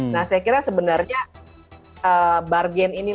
nah saya kira sebenarnya bargaining power inilah yang digunakan